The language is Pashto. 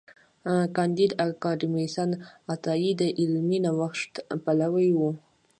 کانديد اکاډميسن عطايي د علمي نوښت پلوي و.